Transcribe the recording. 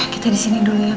kita di sini dulu ya ma